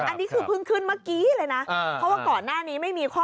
อันนี้คือเพิ่งขึ้นเมื่อกี้เลยนะเพราะว่าก่อนหน้านี้ไม่มีข้อ